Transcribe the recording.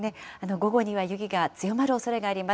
午後には雪が強まるおそれがあります。